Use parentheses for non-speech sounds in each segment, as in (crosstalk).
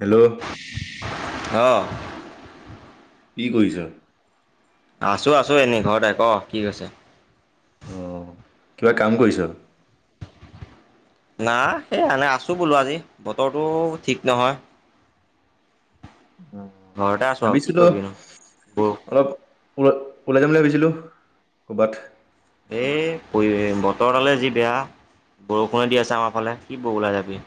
Hello. অ। কি কৰিছা? আছো, আছো এনেই ঘৰতে। ক, কি হৈছে? অ', কিবা কাম কৰিছ? না সেই আ নাই আছো বোলো আজি বতৰটো ঠিক নহয়। অ', ঘৰতে আছোঁ আৰু কি ভাবিছিলোঁ কৰিবিনো বৌ অলপ ওল ওলাই যাম বুলি ভাবিছিলো ক'বাত। এ কৰিলে বতৰ ডালে যি বেয়া। বৰষুণে দি আছে আমাৰ ফালে। কি বও ওলাই যাবি।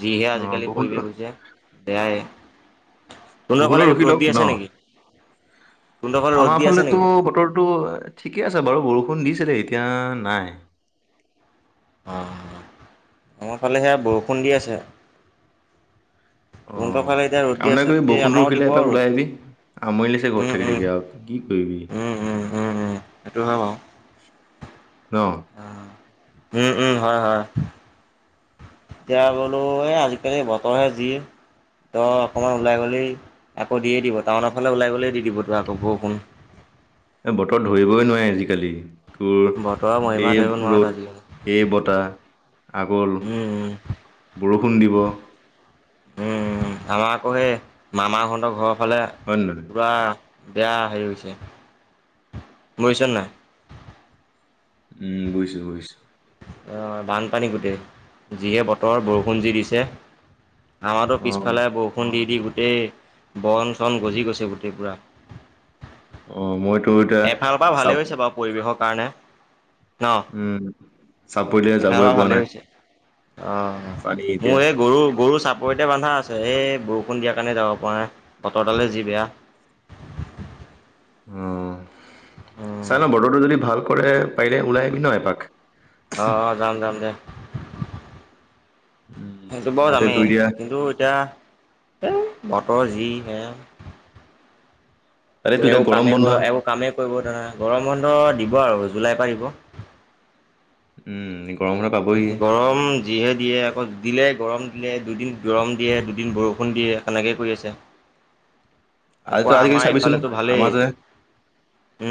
যিহে অ', আজিকালি বৰষুণটো পৰিৱেশ হৈছে। বেয়াই অ তোহঁতৰ বোলো ফালে ৰখি ৰ'দ লওঁক দি আছে ন। নেকি তোহঁতৰ ফালে ৰ'দ আমাৰ দি আছে ফালেটো নেকি বতৰটো ঠিকে আছে বাৰু বৰষুণ শুনিছোঁ দেই, এতিয়া নাই। অ' মোৰ ফালে সেয়া বৰষুণ দি আছে। তোহঁতৰ অ' ফালে এতিয়া ৰ'দ দি কাম আছে কৰিবি, যদি বৰষুণটো আমাৰো দিব ৰখিলে এপাক ৰ'দ ওলাই আহিবি। আমনি লাগিছে উম ঘৰত থাকি উম থাকি আৰু কি কৰিবি। ও সেইটো হয় বাও। অহ। ও, উম, উম, হয়, হয়। দে বোলো এই আজিকালি বতৰহে যি। তই অকমান ওলাই গলেই আকৌ দিয়ে দিব। টাউনৰ ফালে ওলাই গ'লেই দি দিব তোৰ আকৌ বৰষুণ। এ বতৰ ধৰিবই নোৱাৰি আজিকালি। তোৰ বতৰৰ মহিমা এই ধৰিব নোৱাৰা তই ৰ'দ, আজিকালি এই বতাহ। আগৰ উম বৰষুণ দিব। উম, আমাৰ আকৌ সেই মামাহঁতৰ ঘৰৰ ফালে নে নহয়? কিবা বেয়া হেৰি হৈছে। বুইছ নাই? উম বুজিছো, বুজিছো। অ বানপানী গোটেই। যিহে বতৰ বৰষুণ যি দিছে। আমাৰটো অ', পিছফালে বৰষুণ দি দি গো এই বন-চন গজি গৈছে গোটেই পুৰা। অ মই এফালৰ পৰা ভালেই হৈছে বাৰু পৰিৱেশৰ কাৰণে। ন উম চাপৰিলে এফালৰ পৰা যাবই পোৱা ভালেই নাই। হৈছে অ' পানী এতিয়া। মোৰ এই গৰু, গৰু চাপ পৰতে বান্ধা আছে। এই বৰষুণ দিয়াৰ কাৰণে যাব পৰা নাই। বতৰডালে যি বেয়া। (inaudible) উ উম, চাই ল বতৰটো যদি ভাল কৰে, পাৰিলে ওলাই আহবি ন এপাক। অ-অ, যাম-যাম-যাম। উম, সেইটো বৰ তাতে আমি, তোৰ এতিয়া কিন্তু এতিয়া ধেই বতৰ যিহে। তাতে তোৰ এওঁ এতিয়া গৰম কামেই বন্ধ কৰা একো কামেই কৰিব নাজান, গৰম বন্ধ দিব দিব আৰু জুলাই পৰা দিব। উম। গৰম বন্ধ পাবহিয়ে। গৰম যিহে দিয়ে আক দিলে গৰম দিলে দুদিন গৰম দিয়ে দুদিন বৰষুণ দিয়ে কেনেকে কৰি আছে। আকৌ আজিতো আজিকালি আমাৰ চাবিচোন এইফালেতো ভালেই আমাৰ যে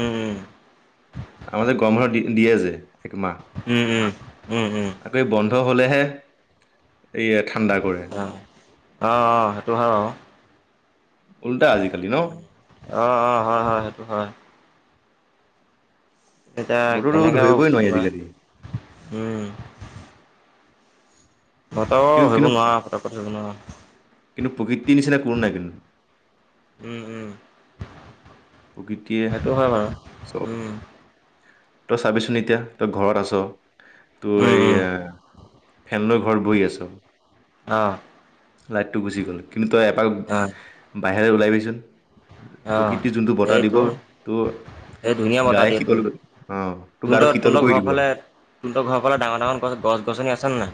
উম, আম যে গৰম বন্ধ দি দিয়ে যে একমাহ উম, উম, উম, উম। ত হ'লেহে ঠাণ্ডা কৰে। অ', অ', অ', সেইটো হয় বাৰু। উল্টা আজিকালি ন? অ অ হয় হয় সেইটো হয়। এতিয়া বতৰটো কেনেকে হ ধৰিবই নোৱাৰি বস্তুটো বা আজিকালি উম মইতো কিন্তু ধৰিব কিন্তু নোৱাৰা পতককৈ ধৰিব নোৱাৰা। কিন্তু প্ৰকৃতিৰ নিচিনা কোনো নাই কিন্তু। উম উম প্ৰকৃতিয়ে সেইটো হয় বাৰু চব উম। তই চাবিচোন এতিয়া তই ঘৰত আছ। তোৰ উম, এই উম, এ ফেন লৈ ঘৰত বহি আছ অ। লাইটটো গুচি গ'ল কিন্তু তই এপাক অ', বাহেলে ওলাবিচোন অ'। প্ৰকৃতিৰ যোনটো বতাহ এই দিব তোৰ তোৰ গায় শিতল অ। তোৰ তহত গাটো শীতল তহঁৰ কৰি ঘৰৰ দিব ফালে তহতৰ ঘৰৰ ফালে ডাঙৰ ডাঙৰ গছনি আছেনে নাই?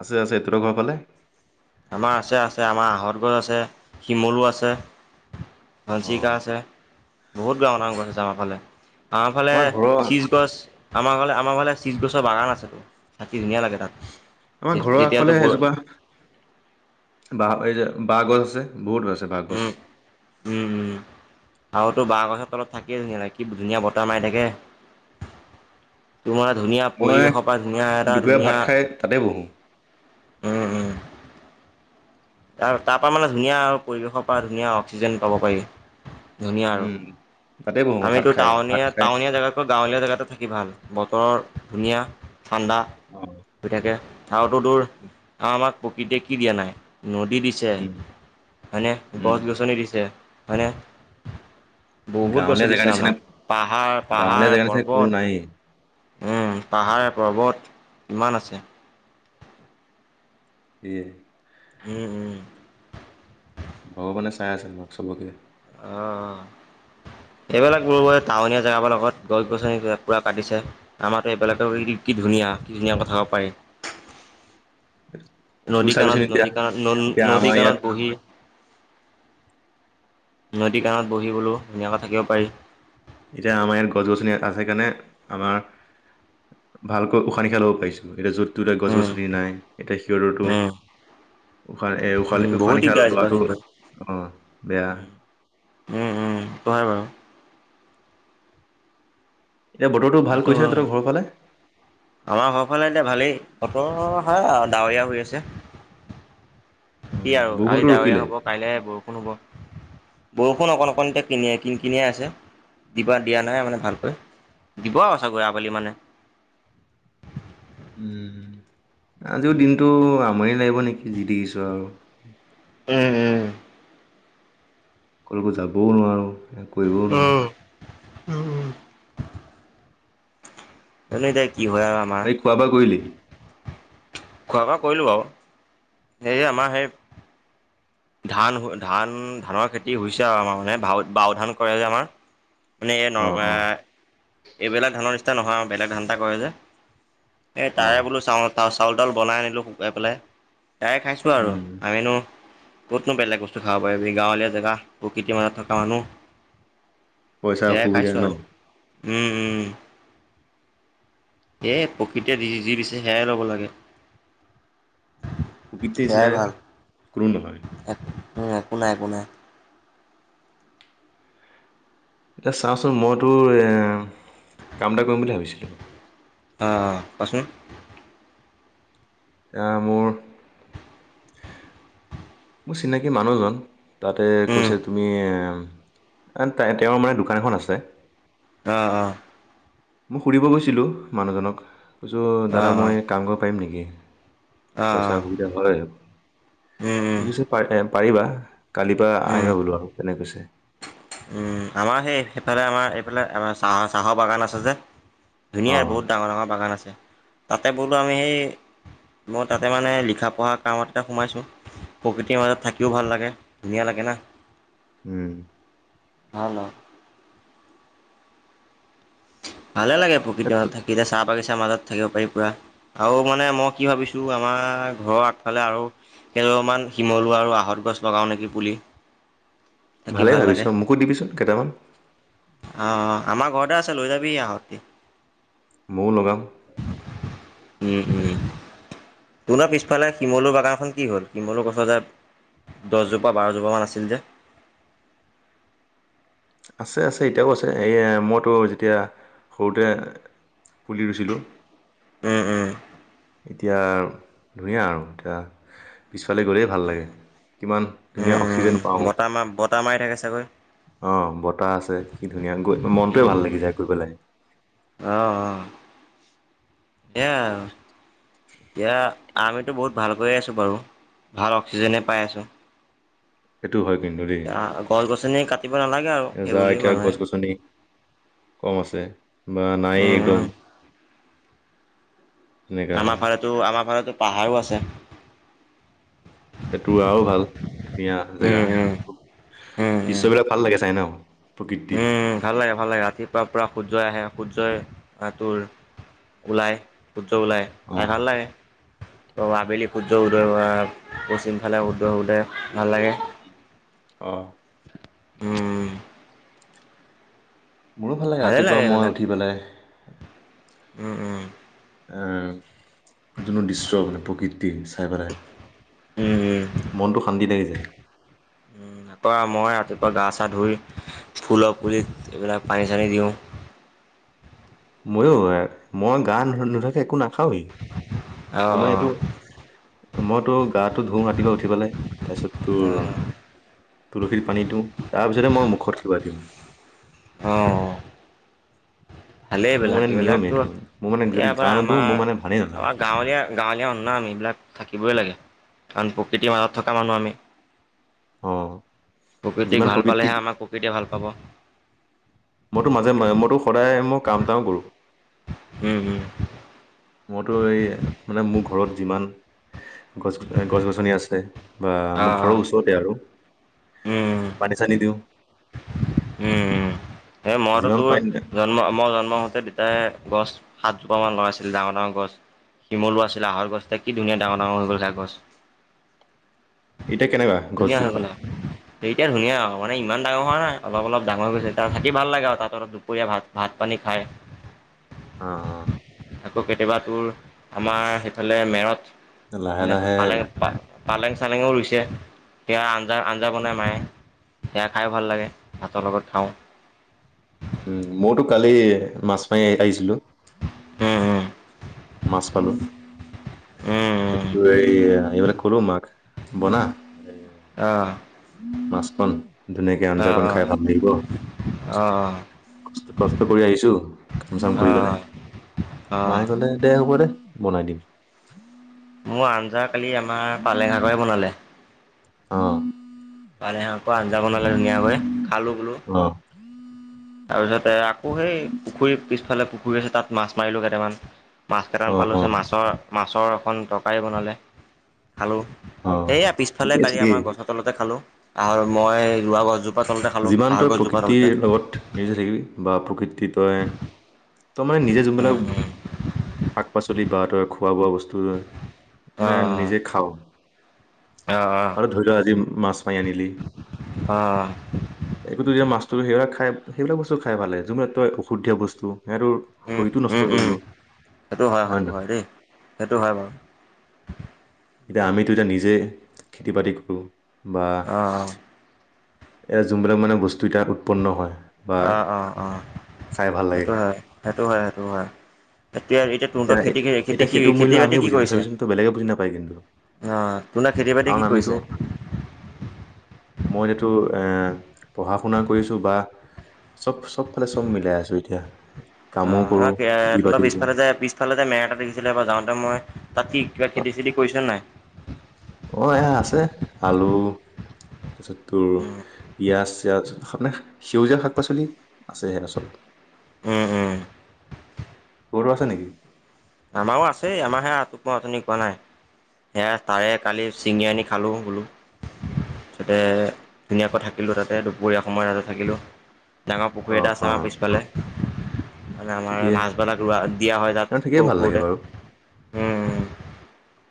আছে আছে। টট ঘৰ ফালে? আমাৰ আছে আছে আমাৰ আহঁঁতগছ আছে, শিমলো আছে। অ হঞ্চিকা আছে বহুত ডাঙৰ ডাঙৰ গছ আছে আমাৰ ফালে। আমাৰ ফালে শীচ গছ। আমাৰ ফালে আমাৰ ফালে শীচ গছৰ বাগান আছে। কি ধুনীয়া লাগে তাত। আমাৰ যেতিয়াতো ব - বহ এই যে বাঁহ গছ আছে। বহুত আছে বাঁহগছ। উম বাহ গছৰ তলত থাকিয় ধুনীয়া লগে। কি ধুনীয়া বতাহ মাৰি থাকে। তোমাৰ ধুনীয়া মই পৰিৱেশৰ পৰা ধুনীয়া এটা দুপৰীয়া ভাত ধুনীয়া খাই তাতে বহোঁ উম উম। তাৰ পৰা মানে ধুনীয়া আৰু পৰিৱেশৰ পৰা ধুনীয়া অক্সিজেন পাব পাৰি। ধুনীয়া আৰু। উম তাতে বহো ভাত আমিতো খাই ভাত টাউনীয়া খাই টাউনীয়া জেগাতকৈ গাঁৱলীয়া জেগাতে থাকি ভাল বতৰৰ ধুনীয়া। ঠাণ্ডা অ হৈ থাকে। আউ ত তোৰ আমাক প্ৰকৃতিয়ে কি দিয়া নাই। নদী দিছে উম হইনে? উম গছ গছনী দিছে হইনে? বহুত গাঁৱলীয়া বস্তু জেগা দিছে নিচিনা আমাক পাহাৰ গাঁৱলীয়া পাহাৰ জেগা নিচিনা কোনো নায়েই পৰ্বত- উম পাহাৰ পৰ্বত কিমান আছে। সেইয়ে উম উম। ভগৱানে চাই আছিল আমাক চবকে। অঁ। এইবিলাক (unintelligible) টাৱনীয়া জেগাবোৰ লগত গছ গছনি পুৰা কাটিছে। আমাৰ ত এইবিলাকে কি ধুনীয়া কি ধুনীয়া কথা কব পাৰি। তোৰ নদী কানত চাবিচোন এতিয়া নদী কানত ন এতিয়া নদী আমাৰ কানত ইয়াত বহি নদী কাণত বহি গলো ধুনীয়াকৈ থাকিব পাৰি। এতিয়া আমাৰ ইয়াৰ গছ গছনি আছে কাৰণে আমাৰ ভালকৈ উশাহ নিশাই ল'ব পাৰিছোঁ। এতিয়া য'ত এতিয়া গছ উম, গছনি নাই, এতিয়া সিহঁতৰটো উম, উশা এ উম, উশাহ বহুত নিশাহ দিগদাৰ হৈছে বাৰু লোৱাটো কিন্তু। অ বেয়া। উম উম ত হই বাও। এতিয়া বতৰটো ভাল সেইটো কৰিছে নে হয়। তহঁতৰ ঘৰৰ ফালে আমাৰ ঘৰফালে এতিয়া ভালেই। বতৰ হয় আৱ ডাৱৰীয়া হৈ আছে। অ কি আৰু আজি বৰষুণটো ডাৱৰীয়া ৰখিলে হব কাইলে বৰষুণ হব। বৰষুণ অকণ অকণতে কিনিয় কিন কিনিয়ে আছে। দিবা দিয়া নাই মানে ভালকৈ। দিব আৰু চাগৈ আবেলি মানে। (inaudible) উম। আজিও দিনটো আমনি লাগিব নেকি যি দেখিছোঁ আৰু। উম উম। কলোকো যাবও নোৱাৰোঁ কৰিবও নোৱাৰোঁ। উম উম এনেই এতিয়া আৰু আমাৰ ভাই খোৱা বোৱা কৰিলি খোৱা বোৱা কৰিলো আৰু এই আমাৰ সেই ধান ধান ধানৰ খেতি হৈছে আৱ আমাৰ মানে বাও বাও ধান কৰে যে আমাৰ। মানে এ অ নৰকৰা অ এইবিলাক ধানৰ নিচনা নহয় আৱ বেলেগ ধান এটা কৰে যে। এই অ তাৰে বোলো চাউল চাউল তাউল বনাই আনিলো শুকুৱাই পেলাই। তাৰে খাইছোঁ আৰু উম আমিনো। ক'তনো বেলেগ বস্তু খাব পাৰিবি গাঁৱলীয়া জেগা প্ৰকৃতিৰ মাজত থকা মানুহ। পইচা সেয়াই অসুবিধা খাইছোঁ ন। আৰু উম উম। এই প্ৰকৃতিয় দি যি দিছে সেয়াই ল'ব লাগে। সেয়াই বিত্তেচীনা ভাল কোনো নহয়। উম একো নাই একো নাই। এতিয়া চাওঁচোন মইতোৰ এ কাম এটা কৰিম বুলি ভাবিছিলোঁ। অ কোৱাচোন আহ মোৰ, মোৰ চিনাকি মানুহজন। তাতে উম, কৈছে তুমি তেওঁৰ মানে দোকান এখন আছে। আহ আহ মই সুধিব গৈছিলোঁ মানুহজনক কৈছো অ', দাদা মই অ', কাম কৰিব পাৰিম নেকি? পইচা অ', অসুবিধা হয়। উম, সি উম, কৈছে এ পাৰিবা। কালিৰ পৰা উম, আহিবা বোলো আকৌ তেনে কৈছে উম আমাৰ সেই সেইফালে আমাৰ এইফালে আমাৰ চাহ চাহৰ বাগান আছে যে। ধুনীয়া অঁ বহুত ডাঙৰ ডাঙৰ বাগান আছে। তাতে বোলো আমি সেই মই তাতে মানে লিখা পঢ়া কামত সোমাইছো। প্ৰকৃতিৰ মাজত থাকিও ভাল লাগে ধুনীয়া লাগে না উম ভাল অ ভালে লাগে এ, প্ৰকৃতিৰ মাজত তো- থাকিলে চাহ বাগি মাজত থাকিব পাৰি পুৰা আৰু মানে মই কি ভাবিছোঁ আমাৰ ঘৰৰ আগফালে আৰু কেইমান শিমলু, আৰু আহঁত, গছ লগাওঁ নেকি পুলি। থাকি ভালেই ভাল লাগে ভাবিছো মোকো দিবিচোন কেইটামান। আহ আমাৰ ঘৰতে আছে লৈ যাবি আহ যদি মৌ লগাম উম উম। তোনৰ পিছফালে শিমলু বাগানখন কি হ'ল শিমলু গছৰ যে দহজোপা বাৰজোপামান আছিল যে? (inaudible) আছে আছে এতিয়াও আছে এই মইতো যেতিয়া সৰুতে পুলি ৰুইছিলোঁ। উম উম এতিয়া ধুনীয়া আৰু এতিয়া পিছফালে গ'লেই ভাল লাগে। কিমান ধুনীয়া উম, উম, অক্সিজেন, পাওঁ বতাহ মা বতাহ মাৰি থাকে চাগৈ। আহ বতাহ আছে। কি ধুনীয়া মনটোৱে ভাল লাগি যায় গৈ পেলায়। এয়া এতিয়া আমি বহুত ভাল কৈয়ে আছো বাৰু ভাল অক্সিজেনে পাই আছোঁ। সেইটো হয় কিন্তু দেই গছ গছনি কাটিব নালাগে আৰু এ যা সেইবুলি এতিয়া গছ মানুহে। গছনি। কম আছে বা নাইয়েই উম, একদম। উম, এনেকা আমাৰ আৰু ফালেটো আমাৰ ফালেটো পাহাৰো আছে। সেইটো আৰু ভাল ধুনীয়া জেগা উম, উম, উম, উম, দৃশ্যবিলাক ভাল লাগে চাই ন? প্ৰকৃতি উম ভাল লাগে ভাল লাগে ৰাতিপুৱা পুৰা সূৰ্যয় আহে। সূৰ্যই তোৰ ওলাই সূৰ্য ওলাই চাই অঁ ভাল লাগে। ত আবেলি সূৰ্য উদয় পশ্চিম ফালে উদয় উদে। ভাল লাগে অঁ (inaudible) উম! মোৰো ভাল লাগে ৰাতিপুৱা মই উঠি পেলাই উম-উম! এ সেইটো নো দৃশ্য, মানে প্ৰকৃতি চাই পেলাই। উম-উম মনটো শান্তি লাগি যায়। উম আকৌ মই ৰাতিপুৱা গা চা ধুই ফুলৰ পুলি এইবিলাক পানী চানী দিওঁ। উ (inaudible) মইয়ো মই গা নু-নুধোৱাকে একো নাখাওঁৱেই মোৰ মানে অঁ এইটো মইতো গাটো ধুও ৰাতিপুৱা উঠি পালাই তাৰপিছত তোৰ অঁ তুলসী পানী দিওঁ তাৰপিছতহে মই মুখত কিবা দিওঁ। অঁ! ভালে মোৰ মানে নিয়ম এইবিলাক-এইবিলাটো এইটো মোৰ মানে যদি ইয়াৰ গা পৰা নোধো মোৰ মানে ভালেই নালাগে আমাৰ-আমাৰ গাঁৱলীয়া-গাঁৱলীয়া মানুহ ন এইবিলাক থাকিবই লাগে। কাৰণ প্ৰকৃতিৰ মাজত থকা মানুহ আমি অঁ! প্ৰকৃতিক ভাল পালেহে আমাৰ প্ৰকৃতিয়ে ভাল পাব। মইতো মাজে মইতো সদায় মই কাম-চামও কৰোঁ। উম হম মইতো এই মানে মোৰ ঘৰত যিমান গছ-গছ-গছনি আছে। বা অঁ মোৰ ঘৰৰ অঁ ওচৰতে আৰু পানী চানী দিওঁ উম-উম সেই মইতো যিমান তোৰ পানী জন্ম মই জন্ম হ‌ওতে পিতাইয়ে গছ সাতজোপা মান লগাইছিল ডাঙৰ-ডাঙৰ গছ। শিমলু আছিল, আঁহত গছ এতিয়া কি ধুনীয়া ডাঙৰ-ডাঙৰ হৈ গল চা গছ। এতিয়া কেনেকুৱা ধুনীয়া হৈ গছজোপা গলা, এতিয়া ধুনীয়া আও মানে ইমান ডাঙৰ হোৱা নাই অলপ-অলপ ডাঙৰ গৈছে তাৰ থাকি ভাল লাগে আৰু তাত অলপ দুপৰীয়া ভাত ভাত পানী খাই। অঁ-অঁ আকৌ কেতিয়াবা তোৰ আমাৰ সেইফালে লাহে মেৰত নে লাহে তোমালে (unintelligible) পায় পালেং চালেঙো ৰুইছে সেয়াৰ আঞ্জা আঞ্জা বনাই মায়ে সেয়া খায়ো ভাল লাগে। ভাতৰ লগত খাওঁ। উম মইতো কালি মাছ মাৰি আহিছিলো। উম উম মাছ পালো। উম উম এইবেলাক কলোঁ মাক বনা আহ! মাছখন ধুনীয়াকে আঞ্জাকন খাই ভাল লাগিব। অ অ কষ্ট কৰি আহিছো কাম চাম অ কৰি অ। পেলাই মায়ে অ' কলে দে হ'ব দে। বনাই দিম। মোৰ আঞ্জা কালি আমাৰ পালেং শাকৰে বনালে অঁ! পালেহে আকৌ আঞ্জা বনালে ধুনীয়াকৈ খালো বোলো। অ তাৰপিছতে আকৌ সেই পুখুৰীৰ পিছফালে, পুখুৰী আছে তাত মাছ মাৰিলো কেইটামান। মাছ কেইটামান অ পালো, অ মাছৰ-মাছৰ এখন তৰকাৰী বনালে। খালোঁ অ সেয়া পিছফালে ঠিকেই কালি ঠিকেই আমাৰ গছৰ তলতে খালোঁ আহ মই ৰুৱা গছ জো- যিমানটোই প্ৰকৃতিৰ লগত নিজে থাকিবি বা প্ৰকৃতি তই তো মানে নিজে উম, যোনবিলাক উম, শাক পাচলি বা তই খোৱা বোৱা বস্তু মানে অ', নিজে খাৱ অ', অ', আৰু ধৰি লোৱা আজি মাছ মাৰি আনিলি অ', অ'। একোতো এতিয়া মাছটো সেইবিলাক খাই সেইবিলাক বস্তু খাই পালে যোনবিলাক তই অষুদ্ধীয়া বস্তু। সিহঁতৰ উম, শৰীৰটো নষ্ট উম, উম। কৰিব। সেইটো হয় সেইটো ন (inaudible) দেই। সেইটো হয় বাৰু। এতিয়া আমিতো এতিয়া নিজে খেতি-বাতি কৰোঁ বা অ', এয়া যোনবিলাক মানে বস্তু এতিয়া উৎপন্ন হয় বা অ-অ-অ খাই ভাল লাগে সেইটো হয়, সেইটো হয়, সেইটো হয়। এতিয়া-এতিয়া তোৰ এতিয়া তাত খেতি কি খেতি এতিয়া কি সেইটো মূল্য খেতি-বাতি আমিয়ে কি বুজি পাওঁ কৰিছে? চাবিচোন তো বেলেগে বুজি নাপায় কিন্তু অ তোনা খেতি-বাতি কাৰণ কি আমিতো কৰিছে? মই এতিয়া টো এ পঢ়া-শুনা কৰিছোঁ বা চব-চবফালে চব মিলাই আছোঁ এতিয়া। কামো কৰো অঁ খেতি (unintelligible) তোনত বাতিও কৰো পিছফালে যে পিছ ইফালতে মেৰা এটা দেখিছিলোঁ এবাৰ যাওঁতে মই তাত কি কিবা খেতি-চেতি কৰিছা নাই? অ এ আছে আলু, তাৰপিছত তোৰ উম, পিয়াঁজ-চিয়াজ। হয় নে সেউজীয়া শাক পাচলি আছে আচলতে। উম-উম! গৰু আছে নেকি আমাৰও আছেই আমাৰাহে আত তোক মই উঠনি কোৱা নাই সেয়া তাৰে কালি ছিঙি আনি খালোঁ বোলো। তাতে ধুনীয়াকৈ থাকিলোঁ তাতে দুপৰীয়া সময় আৰু থাকিলোঁ। ডাঙৰ পুখুৰী অ এটা আছে অ আমাৰ পিছফালে মানে আমাৰ মাছবিলাক ৰোৱা দিয়া হয় তাত। খিয়ে সৰু ভাল লাগে সৰুতে। বাৰু।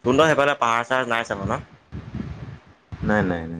তুহঁতৰ সেইফালে পাহাৰ-চাহাৰ নাই চাগে ন? নাই-নাই।